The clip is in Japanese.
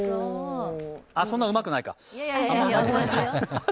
あ、そんなうまくないか。